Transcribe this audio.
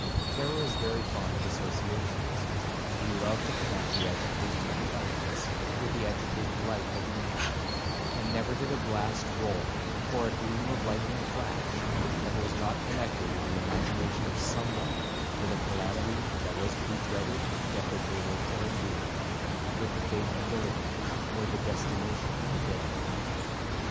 Terror is very fond of associations; we love to connect the agitation of the elements with the agitated life of man; and never did a blast roar, or a gleam of lightning flash, that was not connected in the imagination of some one, with a calamity that was to be dreaded, deprecated, or endured,—with the fate of the living, or the destination of the dead.